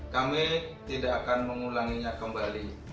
kami tidak akan mengulanginya kembali